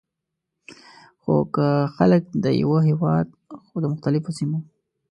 خو که خلک د یوه هیواد خو د مختلفو سیمو،